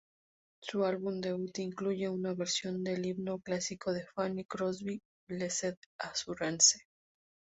Su álbum debut incluye una versión del himno clásico de Fanny Crosby, ""Blessed Assurance"".